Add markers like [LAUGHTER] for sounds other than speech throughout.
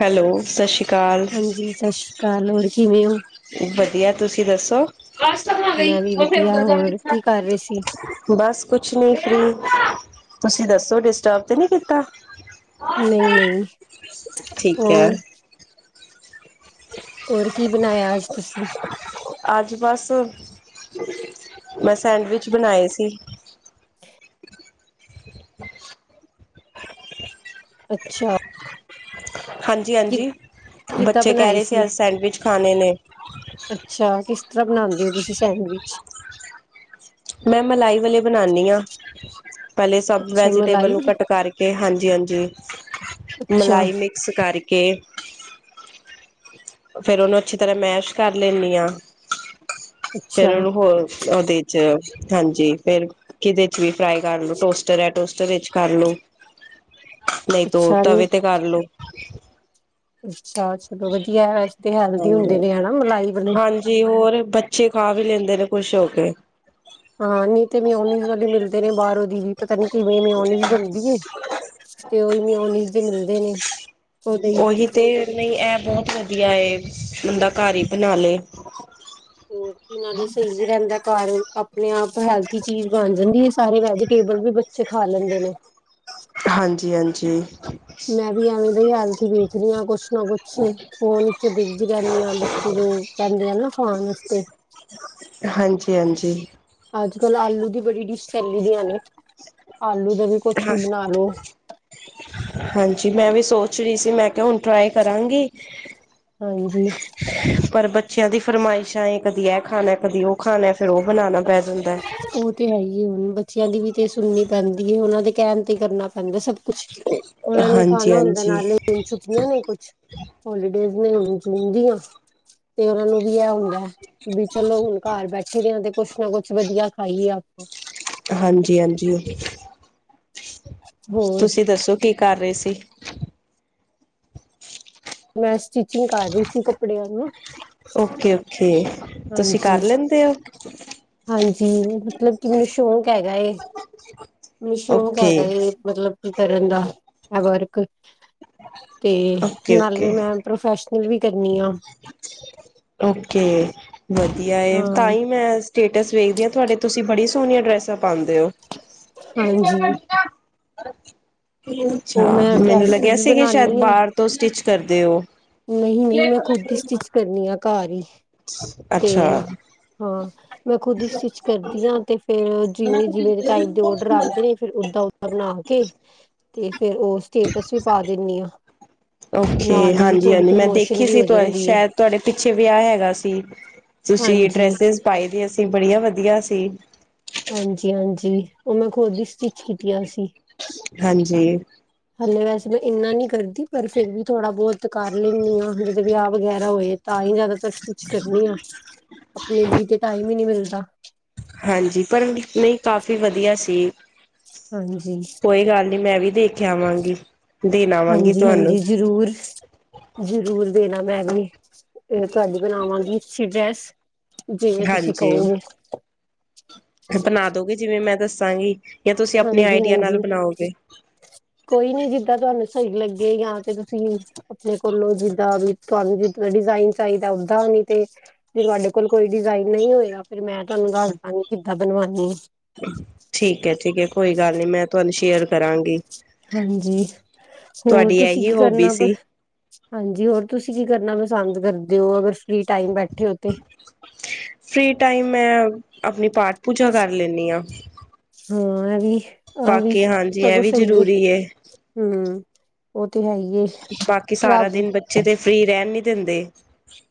Hello ਸਤਿ ਸ਼੍ਰੀ ਅਕਾਲ ਹਾਂਜੀ ਸਤਿ ਸ਼੍ਰੀ ਅਕਾਲ ਹੋਰ ਕਿਵੇਂ ਹੋ ਵਧੀਆ ਤੁਸੀਂ ਦੱਸੋ ਮੈਂ ਵੀ ਵਧੀਆ ਹੋਰ ਕੀ ਕਰ ਰਹੇ ਸੀ ਬਸ ਕੁਛ ਨੀ ਫੀ੍, ਤੁਸੀਂ ਦੱਸੋ ਡਿਸਟਰਬ ਤੇ ਨੀ ਕੀਤਾ ਨਹੀਂ ਨਹੀਂ ਠੀਕ ਹੈ ਹੋਰ ਹੋਰ ਕੀ ਬਨਾਇਆ ਅੱਜ ਤੁਸੀਂ ਅੱਜ ਬਸ ਮੈਂ ਸੈਂਡਵਿਚ ਬਨਾਏ ਸੀ ਅੱਛਾ ਹਾਂਜੀ ਕਿ ਹਾਂਜੀ ਕਿੱਦਾਂ ਬੱਚੇ ਕਹਿ ਬਣਾਏ ਰਹੇ ਸੀ ਅਜ ਸੈਂਡਵਿਚ ਖਾਨੇ ਨੇ ਅੱਛਾ ਕਿਸ ਤਰ੍ਹਾਂ ਬਣਾਦੇ ੳ ਤੁਸੀਂ ਸੈਂਡਵਿਚ? ਮੈਂ ਮਲਾਈ ਵਾਲੇ ਬਨਾਨੀ ਆ ਪਹਿਲੇ ਸਭ ਅੱਛਾ ਵੈਜੀਟੇਬਲ ਮਲਾਈ ਨੂੰ ਵਾਲੇ ਕੱਟ ਕਰਕੇ ਹਾਂਜੀ ਹਾਂਜੀ ਅੱਛਾ ਮਲਾਈ ਮਿਕਸ ਕਰਕੇ ਫੇਰ ਉਹਨੂੰ ਅੱਛੀ ਤਰ੍ਹਾਂ ਮੈਸ਼ ਕਰ ਲੈਂਨੀ ਆ ਫੇਰ ਅੱਛਾ ਉਹਨੂੰ ਹੋਰ ਉਹਦੇ ਚ ਹਾਂਜੀ ਫੇਰ ਕਿਦੇ ਚ ਵੀ ਫਰਾਈ ਕਰ ਲੋ ਟੋਸਟਰ ਹੈ ਟੋਸਟਰ ਵਿੱਚ ਕਰਲੋ। ਨਹੀਂ ਤੇ ਉਹ ਅੱਛਾ ਤਵੇ ਤੇ ਕਰ ਲਓ। ਅੱਛਾ ਚਲੋ ਵਧੀਆ ਵੈਸੇ ਤੇ ਹੈਲਦੀ ਹਾਂਜੀ ਹੁੰਦੇ ਨੇ ਹਨਾ ਮਲਾਈ ਵਾਲੇ। ਹਾਂਜੀ ਹੋਰ ਬੱਚੇ ਖਾ ਵੀ ਲੈਂਦੇ ਨੇ ਖੁਸ਼ ਹੋ ਕੇ। ਹਾਂ ਨਹੀਂ ਤੇ ਵੀ ਉਨੀ ਵਾਲੇ ਮਿਲਦੇ ਨੇ ਬਾਹਰੋਂ। ਦੀ ਪਤਾ ਨੀ ਕਿਵੇਂ ਮੈਂ ਓਨੀਜ਼ ਬਣਦੀ ਤੇ ਉਹ ਵੀ ਓਨੀਜ਼ ਦੇ ਮਿਲਦੇ ਨੇ? ਉਹਦੇ ਹੀ ਉਹੀ ਤੇ ਨਹੀਂ ਐ ਬਹੁਤ ਵਾਰੀ। ਵਧੀਆ ਆਏ ਬੰਦਾ ਘਰ ਹੀ ਬਣਾ ਲਏ। ਹੋਰ ਨਾਲ ਸਹੀ ਵੀ ਰਹਿੰਦਾ ਘਰ ਆਪਣੇ ਆਪ ਹੈਲਥ ਚੀਜ਼ ਬਣ ਜਾਂਦੀ ਹੈ ਸਾਰੇ ਵੈਜੀਟੇਬਲ ਵੀ ਬੱਚੇ ਖਾ ਲੈਂਦੇ ਨੇ। ਹਾਂਜੀ ਹਾਂਜੀ। ਮੈਂ ਵੀ ਆਵੇਂ। ਤੇ ਹੈਲਥੀ ਬੀਜ ਦੀ ਆ ਕੁਝ। ਕੁਛ ਨਾ ਕੁਛ ਫੋਨ 'ਚ ਦਿਖਦੀ ਰਹਿਣੀ ਆ ਬੱਚੇ ਜੋ ਕਹਿੰਦੇ ਆ ਨਾ। ਖਾਣ ਵਾਸਤੇ। ਹਾਂਜੀ ਹਾਂਜੀ। ਦੀ। ਅੱਜ ਕੱਲ੍ਹ ਆਲੂ ਦੀ ਬੜੀ ਡਿਸ਼? ਚੱਲ ਦੀਆਂ ਨੇ। ਆਲੂ ਦਾ ਵੀ ਕੁਛ ਹਾਂ ਵੀ ਬਣਾ ਲੋ ਹਾਂਜੀ ਮੈਂ ਵੀ ਸੋਚ ਰਹੀ ਸੀ? ਤੇ ਮੈਂ ਕਿਹਾ ਹੁਣ। ਟਰਾਈ ਕਰਾਂਗੀ। ਹਾਂਜੀ ਪਰ ਬੱਚਿਆਂ ਦੀ ਫਰਮਾਇਸ਼ਾਂਏ ਹੈ ਕਦੀ ਇਹ ਖਾਣਾ ਕਦੀ ਉਹ ਖਾਣਾ ਫਿਰ ਉਹ ਬਣਾਉਣਾ? ਜਾਂਦਾ ਉਹ ਤੇ ਹੈ ਹੀ ਹੁਣ। ਬੱਚਿਆਂ ਦੀ ਵੀ ਤੇ ਸੁਣਨੀ ਪੈਂਦੀ ਹੈ ਉਹਨਾਂ ਦੇ ਕਹਿਣ ਤੇ ਕਰਨਾ ਪੈਂਦਾ ਸਭ। ਕੁਛ ਉਹਨਾਂ ਨੇ ਹਾਂਜੀ ਖਾਣਾ ਹੁੰਦਾ ਹਾਂਜੀ ਨਾਲੇ ਛੁੱਟੀਆਂ ਨੇ ਕੁਛ। ਹੋਲੀਡੇਜ਼ ਨੇ ਹੁਣ ਜੂਨ ਦੀਆਂ ਤੇ ਉਹਨਾਂ ਨੂੰ ਵੀ ਇਹ ਹੁੰਦਾ ਕਿ ਵੀ ਚਲੋ ਹੁਣ ਘਰ ਬੈਠੇ ਦੇ ਆ ਤੇ ਕੁਛ ਨਾ ਕੁਛ। ਕੁਛ ਵਧੀਆ ਖਾਈਏ ਆਪਾਂ। ਹਾਂਜੀ ਹਾਂਜੀ ਹੋਰ ਤੁਸੀਂ ਦੱਸੋ ਕੀ ਕਰ ਰਹੇ ਸੀ? ਤੁਸੀਂ। ਮੈਂ ਸਟਿਚਿੰਗ ਕਰ ਰਹੀ ਸੀ ਕੱਪੜਿਆਂ ਨੂੰ। Okay okay. ਤੁਸੀਂ ਹਾਂਜੀ ਕਰ ਲੈਂਦੇ ਹੋ? ਹਾਂਜੀ ਮਤਲਬ ਕਿ ਮੈਨੂੰ ਸ਼ੌਕ ਹੈਗਾ ਹੈ? ਮੈਨੂੰ ਸ਼ੌਕ ਓਕੇ ਹੈਗਾ ਇਹ ਮਤਲਬ ਕੀ ਕਰਨ ਦਾ। ਹੈ ਵਰਕ ਤੇ ਓਕੇ ਓਕੇ ਨਾਲੇ ਮੈਂ ਪ੍ਰੋਫੈ ਫ ਵੀ ਕਰਨੀਆਂ ਓਕੇ ਵਧੀਆ ਹਾਂ ਟਾਈਮ ਹੈ। ਸਟੇਟਸ ਵੇਖਦੀ ਹਾਂ ਤੁਹਾਡੇ ਤੁਸੀਂ ਬੜੀ ਸੋਹੀਆਂ ਡਰੈਸਾਂ ਪਾਉਦੇ ਹੋ। ਤੇ ਹਾਂਜੀ ਕਰਦੀ ਅੱ ਉਹ ਅੱਛਾ, ਮੈਂ ਮੈਨੂੰ ਲੱਗਿਆ ਡਰੈਸਿਸ ਸੀ ਕਿ ਸ਼ਾਇਦ ਬਣਾਉਦੀ ਹਾਂ ਬਾਹਰ ਤੋਂ ਸਟਿਚ- ਕਰਦੇ ਹੋ। ਨਹੀਂ ਲ ਨਹੀਂ ਮੈਂ ਖੁਦ ਦੀ ਸਟਿਚ ਕਰਨੀ ਆ। ਘਰ ਹੀ ਤੇ ਅੱਛਾ ਹਾਂ ਮੈਂ ਖੁਦ ਹੀ ਸਟਿਚ ਕਰਦੀ ਹਾਂ, ਤੇ ਫੇਿਰ ਜਿਵੇਂ-ਜਿਵੇਂ ਟਾਈਪ ਦੇ ਓਡਰ ਆਉਂਦੇ ਨੇ ਫਿਰ ਓਦਾਂ-ਓਦਾਂ ਬਣਾ ਕੇ ਤੇ ਫੇਰ ਉਹ ਸਟੇਟਸ ਵੀ ਪਾ ਦਿੰਦੀ ਹਾਂ ਓਕੇ, ਨਾਲ ਹੀ ਥੋੜੀ ਹਾਂਜੀ-ਹਾਂਜੀ ਮੈਂ ਪ੍ਰਮੋਸ਼ਨ ਦੇਖੀ ਵੀ ਸੀ। ਹੋ ਤੁ ਜਾਂਦੀ ਹੈ ਸ਼ਾਇਦ ਤੁਹਾਡੇ ਪਿੱਛੇ ਵਿਆਹ ਹੈਗਾ ਸੀ। ਤੁਸੀਂ ਹਾਂਜੀ ਡਰੈਸਿਸ ਪਏ ਦੀਆਂ ਸੀ, ਬੜੀਆਂ ਵਧੀਆ ਸੀ। ਹਾਂਜੀ-ਹਾਂਜੀ ਉਹ ਮੈਂ ਖੁਦ ਦੀ ਸਟਿਚ ਕੀਤੀਆਂ ਸੀ। ਹਾਂਜੀ। ਵੈਸੇ ਮੈਂ ਇੰਨਾ ਨੀ ਕਰਦੀ ਪਰ ਫਿਰ ਵੀ ਥੋੜਾ। ਬਹੁਤ ਕਰ ਲੈਂਦੀ ਹਾਂ। ਵਿਆਹ ਵਗੈਰਾ ਹੋਏ ਤਾਂ ਹੀ ਜ਼ਿਆਦਾ ਸਭ ਕੁਛ ਕਰਨੀ ਆ। ਆਪਣੇ ਲਈ ਤੇ ਟਾਈਮ ਹੀ ਨਹੀਂ ਮਿਲਦਾ। ਹਾਂਜੀ, ਪਰ ਨਹੀਂ ਕਾਫ਼ੀ ਵਧੀਆ ਸੀ। ਹਾਂਜੀ ਕੋਈ ਗੱਲ ਨੀ ਮੈਂ ਵੀ ਖਾਣ ਨੂੰ ਦੇਣਾ ਆਵਾਂਗੀ ਹਾਂਜੀ ਤੁਹਾਨੂੰ। ਹਾਂਜੀ ਜ਼ਰੂਰ ਜ਼ਰੂਰ ਦੇਣਾ ਮੈਂ ਵੀ ਇਹ ਤੁਹਾਡੀ ਬਣਾਵਾਂਗੀ। ਸੇ਼ਜਸ ਜੇ ਇਹ ਤੁਸੀਂ ਕਹੋਗੇ। ਅਪਣਾ ਦੋਗੇ ਜਿਵੇਂ ਮੈਂ ਦੱਸਾਂਗੀ। ਜਾਂ ਤੁਸੀਂ ਆਪਣੇ ਹਾਂਜੀ, ਆਈਡੀਆ ਨਾਲ ਹਾਂਜੀ ਬਣਾਓਗੇ। ਕੋਈ ਨੀ ਜਿੱਦਾਂ ਤੁਹਾਨੂੰ ਸਹੀ ਲੱਗੇ ਜਾਂ ਤੇ ਤੁਸੀਂ ਆਪਣੇ ਕੋਲੋਂ ਜਿੱਦਾਂ ਵੀ ਤੁਹਾਨੂੰ ਜਿਦਾਂ ਦਾ ਡਿਜਾਇਨ ਚਾਹੀਦਾ ਓਦਾਂ ਨਹੀਂ ਤੇ, ਜੇ ਤੁਹਾਡੇ ਕੋਲ ਕੋਈ ਡਿਜਾਇਨ ਨਹੀਂ ਹੋਏਗਾ ਫਿਰ ਮੈਂ ਤੁਹਾਨੂੰ ਦੱਸ ਦਾਂਗੀ ਕਿੱਦਾਂ ਬਣਵਾਨੀ। ਠੀਕ ਹੈ, ਠੀਕ ਹੈ ਕੋਈ ਗੱਲ ਨੀ ਮੈਂ ਤੁਹਾਨੂੰ ਸ਼ੇਅਰ ਕਰਾਂਗੀ। ਹਾਂਜੀ ਹੋਰ ਤੁਹਾਡੀ ਤੁਸੀਂ ਇਹੀ ਕੀ ਹੋਬੀ ਕਰਨਾ ਪਰ ਸੀ ਹਾਂਜੀ ਹੋਰ ਤੁਸੀਂ ਕੀ ਕਰਨਾ ਪਸੰਦ ਕਰਦੇ ਹੋ ਅਗਰ ਫ੍ਰਰੀ ਟਾਈਮ ਬੈਠੇ ਹੋ ਤੇ ਫ੍ਰਰੀ ਟਾਈਮ ਮੈਂ ਆਪਣੀ ਪਾਠ ਪੂਜਾ ਕਰ ਲੈਂਣੀ ਆ ਹਾਂ ਏ ਵੀ ਆਹ ਵੀ ਹਾਂਜੀ ਇਹ ਸਗੋਂ ਵੀ ਸਹੀਏ ਜ਼ਰੂਰੀ ਏ ਹਮ ਉਹ ਤੇ ਹੈ ਹੀ ਏ, ਬਾਕੀ ਸਾਰਾ ਰੱਬ ਦਿਨ ਬੱਚੇ ਤੇ ਫ੍ਰਰੀ ਰਹਿਣ ਨੀ ਦਿੰਦੇ।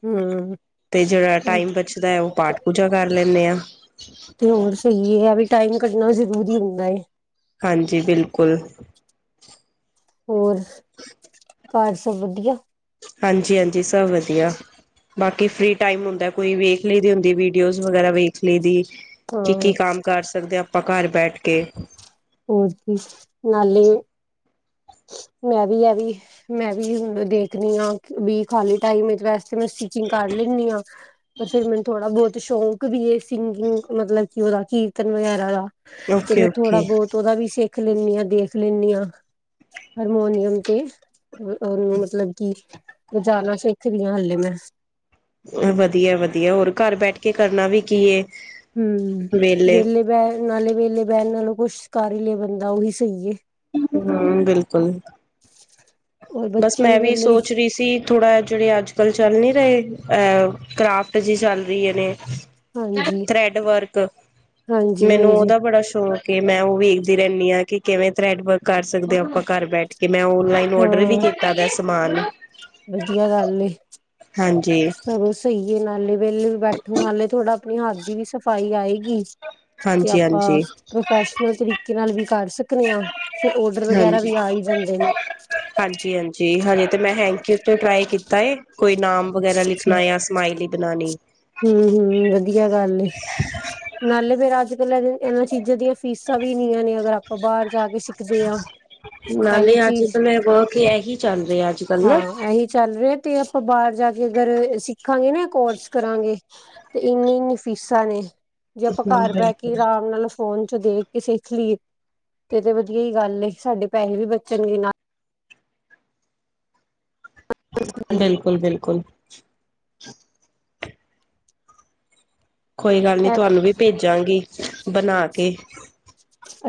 ਹਮ ਤੇ ਜਿਹੜਾ ਉਹ ਟਾਈਮ ਬਚਦਾ ਹੈ, ਉਹ ਪਾਠ ਪੂਜਾ ਕਰ ਲੈਂਣੇ ਆ। ਤੇ ਹੋਰ ਸਹੀ ਹੈ, ਆ ਵੀ ਟਾਈਮ ਕੱਢਨਾ ਜਰੂਰੀ ਹੁੰਦਾ ਹੈ। ਹਾਂਜੀ, ਬਿਲਕੁਲ ਹੋਰ, ਘਰ ਸਭ ਵਧੀਆ ਹਾਂਜੀ, ਹਾਂਜੀ ਸਭ ਵਧੀਆ, ਬਾਕੀ ਫਰੀ ਟਾਈਮ ਹੁੰਦਾ ਕੋਈ ਵੇਖ ਲਈ ਦੀ ਹੁੰਦੀ ਵੀਡੀਓਜ਼ ਵਗੈਰਾ ਵੇਖ ਲਈ ਦੀ। ਕੀ, ਕੀ ਹਾਂ ਕੰਮ ਕਰ ਸਕਦੇ ਹ ਆਪਾਂ ਘਰ ਬੈਠ ਕੇ ਹੋਰ ਕੀ ਨਾਲੇ ਮੈਂ ਵੀ ਇਹ ਵੀ ਮੈਂ ਵੀ ਹ ਦੇਖਣੀ ਹਾਂ ਵੀ ਖਾਲੀ ਟਾਈਮ ਵਿੱਚ ਵੈਸੇ ਤੇ ਮੈਂ ਸਟਿਚਿੰਗ ਕਰ ਲੈਂਣੀ ਆ। ਪਰ ਫੇਰ ਮੈਨੂੰ ਥੋੜਾ ਬਹੁਤ ਸ਼ੌਂਕ ਵੀ ਸਿੰਗਿੰਗ ਮਤਲਬ ਕਿ ਉਹਦਾ ਕੀਰਤਨ ਵਗੈਰਾ ਦਾ ਤੇ ਓਕੇ ਮੈਂ ਥੋੜਾ ਓਕੇ ਬਹੁਤ ਉਹਦਾ ਵੀ ਸਿੱਖ ਦੇਖ ਲੈਂਨੀ ਆ, ਦੇਖ ਲੈਂਨੀ ਆ। ਹਾਰਮੋਨੀਅਮ ਤੇ, ਉਹਨੂੰ ਮਤਲਬ ਕਿ ਵਜਾਣਾ ਸਿੱਖਰੀ ਹਾਂ ਹਲੇ ਮੈਂ ਵਧੀਆ, ਵਧੀਆ ਹੋਰ ਘਰ ਬੈਠ ਕੇ ਕਰਨਾ ਵੀ ਕੀਏ। ਹੁੰ ਵੇਲੇ ਬੈ ਨਾਲੇ ਵੇਲੇ ਬਹਿਣ ਨਾਲੋਂ ਕੁੱਛਕਾਰ ਹੀ ਲਿਆ ਬੰਦਾ ਉਹੀ ਸਹੀ ਏ। ਔਰ ਬਸ ਬੱਚੇ ਮੈਂ ਵੀ ਵਿਹਲੇ ਸੋਚ ਰਹੀ ਸੀ, ਥੋੜਾ ਜਿਹੜੇ ਅੱਜ ਕੱਲ੍ਹ ਚੱਲ ਨੀ ਰਹੇ ਐ ਕਰਾਫਟ ਜਿ ਚੱਲ ਰਹੀ ਹੈ ਨੇ ਹਾਂਜੀ ਥਰੈਡ ਵਰਕ ਹਾਂਜੀ ਮੈਨੂੰ ਹਾਂਜੀ ਉਹਦਾ ਬੜਾ ਸ਼ੌਕ ਕੇ ਮੈਂ ਉਹ ਵੇਖਦੀ ਰਹਿੰਦੀ ਹਾਂ ਕਿ ਕਿਵੇਂ ਥਰੈਡ ਵਰਕ ਕਰ ਸਕਦੇ ਹੋ ਆਪਾਂ ਘਰ ਬੈਠ ਕੇ। ਮੈਂ ਓਨਲਾਈਨ ਔਡਰ ਵੀ ਹਾਂ ਕੀਤਾ ਦਾ ਸਮਾਨ ਵਧੀਆ ਗੱਲ ਏ। ਹਾਂਜੀ। ਸਗੋਂ ਸਹੀ ਨਾਲੇ ਵੇਹਲੇ ਵੀ ਬੈਠੋ ਨਾਲੇ ਥੋੜਾ ਆਪਣੀ ਹੱਥ ਦੀ ਵੀ ਸਫ਼ਾਈ ਆਏ ਤੇ ਹਾਂਜੀ ਆਪਾਂ ਹਾਂਜੀ ਪ੍ਰੋਫੈਸ਼ਨਲ ਤਰੀਕੇ ਨਾਲ ਵੀ। ਕਰ ਸਕਨੇ ਆ। ਫਿਰ ਓਡਰ ਵਗੈਰਾ ਹਾਂਜੀ ਵੀ ਆ ਹੀ ਜਾਂਦੇ ਨੇ। ਹਾਂਜੀ ਹਾਂਜੀ ਹਜੇ ਤੇ ਮੈ ਹੈਂਕੀ ਉੱਤੇ ਟਰਾਈ ਕੀਤਾ ਏ ਕੋਈ ਨਾਮ ਵਗੈਰਾ ਲਿਖਣਾ ਜਾਂ ਸਮਾਈਲੀ ਬਣਾਣੀ ਹੁੰ-ਹੁੰ ਵਧੀਆ ਗੱਲ ਏ ਨਾਲੇ ਫੇਰ ਅਜ ਕਲ੍ਹ [UNINTELLIGIBLE] ਇਹਨਾਂ ਚੀਜ਼ਾਂ ਦੀਆਂ ਫੀਸਾਂ ਵੀ ਨੀਆਂ ਨੇ ਅਗਰ ਆਪਾਂ ਬਾਹਰ ਜਾ ਕੇ ਸਿੱਖਦੇ ਆ ਨਾਲੇ ਇਹੀ ਅੱਜ ਚੀਜ਼ ਕਲ ਏ ਵਰਕ ਏਹੀ ਚੱਲ ਰਿਹਾ ਅੱਜਕੱਲ ਨਾ ਉਹ ਬਾਅਦ ਜਾ ਕੇ ਅਗਰ ਸਿੱਖਾਂਗੇ ਨਾ ਕੋਰਸ ਕਰਾਂਗੇ ਤੇ ਇਨੀ ਇਨੀ ਫੀਸਾਂ ਨੇ ਜੇ ਆਪਾਂ ਹਾਂ ਘਰ ਬਹਿ ਕੇ ਬਿਲਕੁਲ ਆਰਾਮ ਨਾਲ ਫੋਨ ਦੇਖ ਕੇੇ ਸਿੱਖ ਲੀ ਤੇ ਵਧੀਆ ਹੀ ਗੱਲ ਸਾਡੇ ਪੈਸੇ ਵੀ ਬਚਨਗੇ ਨਾਲ ਬਿਲਕੁਲ ਬਿਲਕੁਲ ਕੋਈ ਗੱਲ ਨੀ ਤੁਹਾਨੂੰ ਵੀ ਭੇਜਾਂਗੀ ਬਨਾਂ ਕੇ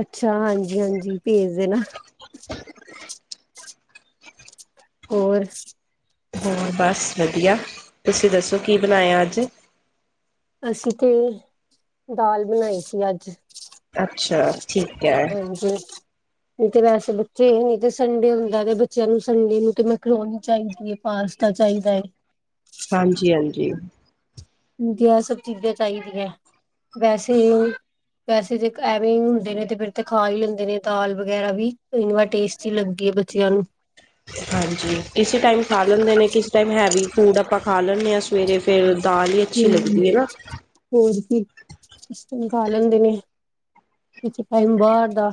ਅੱਛਾ ਹਾਂਜੀ ਹਾਂਜੀ ਭੇਜ ਦੇ ਨਾ ਹੋਰ ਹਾਂ ਬਸ ਵਧੀਆ ਤੁਸੀਂ ਦੱਸੋ ਕੀ ਬਨਾਇਆ ਅੱਜ ਅਸੀਂ ਤੇ ਦਾਲ ਬਨਾਈ ਸੀ ਅੱਜ ਅੱਛਾ ਠੀਕ ਹੈ ਹਾਂਜੀ ਨਹੀਂ ਤੇ ਵੈਸੇ ਬੱਚੇ ਨਹੀਂ ਤੇ ਸੰਡੇ ਹੁੰਦਾ ਤੇ ਬੱਚਿਆਂ ਨੂੰ ਸੰਡੇ ਨੂੰ ਤੇ ਮੈਂ ਮੈਕਰੋਨੀ ਚਾਹੀਦੀ ਹੈ ਪਾਸਤਾਂ ਚਾਹੀਦਾ ਹੈ ਹਾਂਜੀ ਹਾਂਜੀ ਸਭ ਚੀਜ਼ਾਂ ਚਾਹੀਦੀਆਂ ਵੈਸੇ ਵੈਸੇ ਜੇ ਐਵੇਂ ਹੁੰਦੇ ਨੇ ਤੇ ਫਿਰ ਤੇ ਖਾ ਹੀ ਲੈਂਦੇ ਨੇ ਦਾਲ ਵਗੈਰਾ ਵੀ ਇੰਵ ਟੇਸਟੀ ਲੱਗਦੀ ਹੈ ਬੱਚਿਆਂ ਨੂੰ ਹਾਂਜੀ ਕਿਸੇ ਟਾਈਮ ਖਾ ਲੈਂਦੇ ਨੇ ਕਿਸ ਟਾਈਮ ਹੈਵੀ ਫੂਡ ਆਪਾਂ ਖਾ ਲੈਂਨੇ ਆ ਸਵੇਰੇ ਫੇਰ ਦਾਲ ਇ ਅੱਛੀ ਲੱਗਦੀ ਹੈ ਨਾ ਕਿਸ ਟਾਈਮ ਖਾ ਲੈਂਦੇ ਨੇ ਕਿਸੀ ਟਾਈਮ ਬਾਹਰ ਦਾ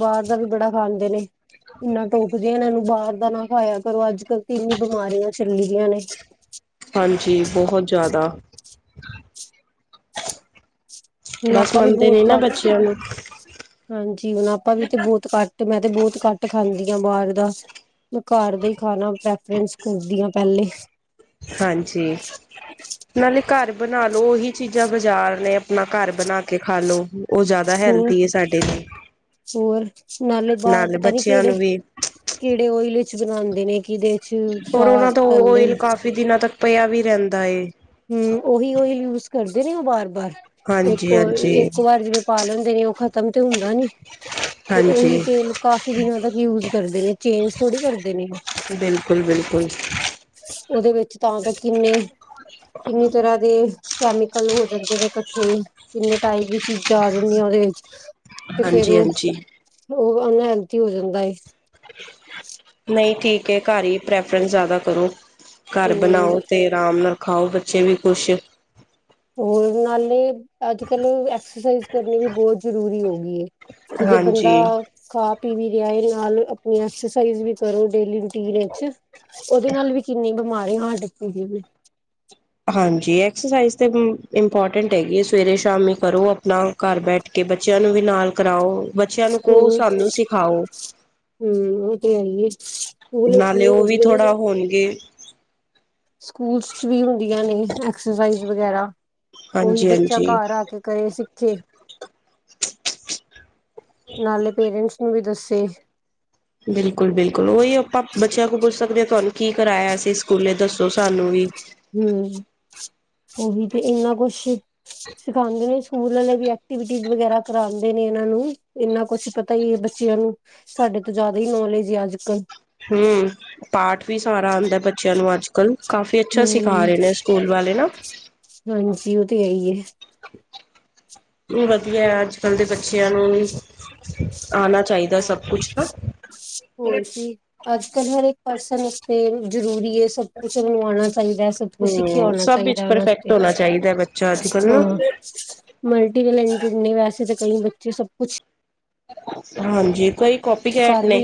ਬਾਹਰ ਦਾ ਵੀ ਬੜਾ ਖਾਂਦੇ ਨੇ ਇੰਨਾ ਟੋਕਦੇ ਆ ਇਹਨਾਂ ਨੂੰ ਬਾਹਰ ਦਾ ਨਾ ਖਾਇਆ ਕਰੋ ਅੱਜ ਕੱਲ ਤੇ ਏਨੀ ਬਿਮਾਰੀਆਂ ਚੱਲੀਆਂ ਨੇ ਹਾਂਜੀ ਬਹੁਤ ਜ਼ਿਆਦਾ ਹੁਣ ਬਸ ਆਪਾ ਵੀ ਮੰਨਦੇ ਬਹੁਤ ਨੇ ਨਾ ਘੱਟ, ਬੱਚਿਆਂ ਨੂੰ ਹਾਂਜੀ! ਹੁਣ ਆਪਾ ਵੀ ਤੇ ਬਹੁਤ ਘੱਟ ਮੈਂ ਤੇ ਬਹੁਤ ਘੱਟ ਖਾਂਦੀ। ਬਾਹਰ ਦਾ ਮੈਂ ਘਰ ਦਾ ਹੀ ਖਾਣਾ ਪ੍ਰੈਫਰੈਂਸ ਕਰਦੀ ਹਾਂ। ਪਹਿਲੇ ਹਾਂਜੀ, ਨਾਲੇ ਘਰ ਬਣਾ ਲੋ ਉਹੀ ਚੀਜ਼ਾਂ ਬਾਜ਼ਾਰ ਨੇ ਆਪਣਾ ਘਰ ਬਣਾ ਕੇ ਖਾਲੋ। ਉਹ ਜ਼ਿਆਦਾ ਹੋਰ ਹੈਲਦੀ ਹੈ, ਸਾਡੇ ਲਈ। ਹੋਰ ਨਾਲੇ ਬਾਹਰ ਪਤਾ ਨੀ ਬੱਚਿਆਂ ਨੂੰ ਵੀ ਕਿਹੜੇ-ਕਿਹੜੇ ਓਇਲ ਚ ਬਣਾਉਂਦੇ ਨੇ ਕਿਹਦੇ ਚ ਹੋਰ ਸਾਗ ਉਹਨਾਂ ਤੋਂ ਤਲਦੇ ਆਇਲ ਨੇ ਕਾਫੀ ਦਿਨਾਂ ਤੱਕ ਪਿਆ ਵੀ ਰਹਿੰਦਾ ਏ ਹਮ ਉਹੀ ਉਹੀ ਯੂਜ਼ ਕਰਦੇ ਨੇ ਉਹ ਬਾਰ ਬਾਰ ਇੱਕ ਹਾਂਜੀ ਵਾਰ ਹਾਂਜੀ ਇੱਕ ਵਾਰ ਜਿਵੇਂ, ਪਾਲ ਹੁੰਦੇ ਨੇ ਉਹ ਤਾਂਮ ਤੇ ਹੁੰਦਾ ਨੀ। ਫੇਰ ਉਹੀ ਹਾਂਜੀ ਤੇਲ ਕਾਫੀ ਦਿਨਾਂ ਤੱਕ ਯੂਜ ਕਰਦੇ ਨੇ ਚੇਂਜ ਥੋੜ੍ਹੀ ਕਰ ਨੇ ਬਿਲਕੁਲ ਬਿਲਕੁਲ ਉਹਦੇ ਵਿੱਚ ਤਾਂ ਕਿੰਨੇ? ਕਿੰਨੀ ਤਰ੍ਹਾਂ ਦੇ ਕੈਮੀਕਲ ਹੋ ਜਾਂਦੇ ਨੇ ਕੱਠੇ ਕਿੰਨੇ ਟਾਈਪ ਦੀ ਚੀਜ਼ਾਂ ਆ ਜਾਂਦੀਆਂ ਉਹਦੇ ਵਿੱਚ। ਤੇ ਫੇਰ ਹਾਂਜੀ ਹਾਂਜੀ ਉਹ-ਉਹ ਅਨਹੈਲਥੀ ਹੋ ਜਾਂਦਾ ਏ। ਨਹੀਂ ਠੀਕ ਹੈ, ਘਰ ਹੀ ਪ੍ਰੈਫਰੈਂਸ ਜ਼ਿਆਦਾ ਕਰੋ। ਘਰ ਹੂੰ ਬਣਾਓ, ਤੇ ਆਰਾਮ ਨਾਲ ਖਾਓ, ਬੱਚੇ ਵੀ ਖ਼ੁਸ਼। ਹੋਰ ਨਾਲੇ ਅੱਜ ਕੱਲ ਐਕਸਰਸਾਈਜ਼ ਕਰਨੀ ਵੀ ਬਹੁਤ ਜਰੂਰੀ ਹੋ ਗਈ ਏ ਕਿ ਜੇ ਬੰਦਾ ਹਾਂਜੀ ਖਾ ਪੀ ਵੀ ਰਿਹਾ ਨਾਲ ਅਪਨੀ ਐਕਸਰਸਾਈਜ਼ ਵੀ ਕਰੋ ਡੇਲੀ ਰੂਟੀਨ ਇਚ। ਉਹਦੇ ਨਾਲ ਵੀ ਕਿੰਨੀ ਬਿਮਾਰੀ [UNINTELLIGIBLE] ਹਾਂਜੀ ਐਕਸਰਸਾਈਜ਼ ਤੇ ਇੰਪੋਰਟੈਂਟ ਹੈਗੀ ਸਵੇਰੇ ਸ਼ਾਮੀ ਕਰੋ ਆਪਣਾ ਘਰ ਬੈਠ ਕੇ ਬੱਚਿਆਂ ਨੂੰ ਵੀ ਨਾਲ ਕਰਾਓ। ਬੱਚਿਆਂ ਨੂੰ ਕਹੋ ਹੋਰ ਸਾਨੂੰ ਸਿਖਾਓ। ਹੂੰ [UNINTELLIGIBLE] ਸਕੂਲ ਵਿੱਚ ਨਾਲੇ ਉਹ ਵੀ ਹੁੰਦੀਆਂ ਥੋੜਾ ਹੋਣਗੇ ਸਕੂਲ ਚ ਵੀ ਹੁੰਦੀਆਂ ਨੇ ਅਕ ਸਸਾਈਜ਼ ਵਗੈਰਾ ਓਹੀ ਹਾਂਜੀ ਬੱਚਾ ਹਾਂਜੀ ਘਰ ਆ ਕੇ ਕਰੇ ਚੇ। ਨਾਲੇ ਪੇਰੈਂਟਸ ਨੂੰ ਵੀ ਦੱਸ [UNINTELLIGIBLE] ਬਿਲਕੁਲ-ਬਿਲਕੁਲ ਉਹੀ ਆਪਾਂ ਬੱਚਿਆਂ ਕੋਲ ਪੁੱਛ ਸਕਦੇ ਤੁਹਾਨੂੰ ਕੀ ਕਰਾਇਆ ਅਸੀਂ ਸਕੂਲੇ ਦੱਸੋ ਸਾਨੂੰ ਵੀ। ਹਮ ਉਹੀ ਤੇ ਇਨਾ ਕੁਛ ਸਿਖਾਉਂਦੇ ਨੇ ਸਕੂਲ ਆਲੇ ਵੀ ਐਕਟੀਵਿਟੀਜ ਵਗੈਰਾ ਕਰਾਉਂਦੇ ਨੇ ਇਹਨਾਂ ਨੂੰ ਇੰਨਾ ਕੁਛ ਪਤਾ ਹੀ ਹੈ ਬੱਚਿਆਂ ਨੂੰ ਸਾਡੇ ਤੋਂ ਜਾਦਾ ਹੀ ਨੌਲੇਜ ਹੈ ਅੱਜ -ਕੱਲ। ਹਮ ਪਾਠ ਵੀ ਸਾਰਾ ਆਦਾ ਬੱਚਿਆਂ ਨੂੰ ਅੱਜਕਲ। ਕਾਫੀ ਅੱਛਾ ਸਿਖਾ ਹਮ ਰਹੇ ਨੇ ਸਕੂਲ ਵਾਲੇ ਨਾ। ਹਾਂਜੀ ਉਹ ਤੇ ਹੈ ਹੀ ਏ। ਵਧੀਆ ਅੱਜ-ਕਲ ਦੇ ਬੱਚਿਆਂ ਨੂੰ ਵੀ ਹਾਂ ਹੋਰ ਕੀ ਅੱਜਕਲ ਹਰ ਇੱਕ ਪਰਸਨ [UNINTELLIGIBLE] ਜ਼ਰੂਰੀ ਸਭ ਕੁਛ ਉਹ ਨੂੰ ਆਉਣਾ ਚਾਹੀਦਾ ਸਭ ਕੁਛ ਸਿੱਖਿਆ ਹੂੰ ਆਉਣਾ ਸਭ ਵਿੱਚ ਚਾਹੀਦਾ ਪਰਫੈਕਟ ਉਹਨਾਂਤੇ ਹੋਣਾ ਚਾਹੀਦਾ ਬੱਚਾ ਅੱਜ ਕੱਲ ਹਾਂ ਨਾ ਮਲਟੀ ਟੈਲੈਂਟਡ ਨੇ ਵੈਸੇ ਤਾਂ ਕਈ ਬੱਚੇ ਸਭ ਕੁਛ ਹਾਂਜੀ ਕੋਈ ਕੋਪੀ ਘਟ ਕਰ ਨੇ ਵੀ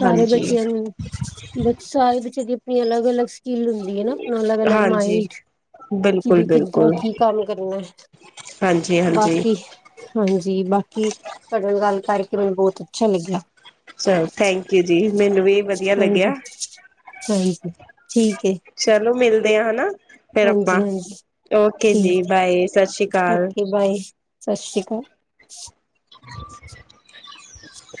ਸਾਰੇ ਬੱਚਿਆਂ ਨੂੰ ਬ ਸਾਰੇ ਬੱਚਿਆਂ ਦੀ ਅਲੱਗ-ਅਲਗ ਸਕਲ ਹੁੰਦੀ ਹੈ ਨਾ ਆਪਣਾ ਅਲਗ-ਅਲਗ ਹਾਂਜੀ-ਹਾਂਜੀ ਮਾਇੰਡ ਕਿ ਬ ਕਿੱਦਾਂ ਬਿਲਕੁਲ-ਬਿਲਕੁਲ ਕੀ ਕੰਮ ਕਰਨਾ ਹਾਂਜੀ-ਹਾਂਜੀ ਬਾਕੀ ਹਾਂਜੀ ਬਾਕੀ ਤੁਡੇ ਨਾਲ ਗੱਲ ਕਰਕੇ ਕਿ ਮੈਨੂੰ ਬਹੁਤ ਅੱਛਾ ਲੱਗਿਆ ਚਲੋ ਥੈਂਕ ਯੂ ਜੀ ਮੈਨੂੰ ਵੀ ਵਧੀਆ ਲੱਗਿਆ ਸਹੀ ਜੀ ਚਲੋ ਮਿਲਦੇ ਆ ਹਨਾ ਫਿਰ ਆਪਾਂ ਹਾਂਜੀ ਹਾਂਜੀ ਓਕੇ ਜੀ ਠੀਕ ਹੈ ਬਾਏ ਸਤਿ ਸ਼੍ਰੀ ਅਕਾਲ ਓਕੇ ਬਾਏ ਸਤਿ ਸ਼੍ਰੀ ਅਕਾਲ [INAUDIBLE]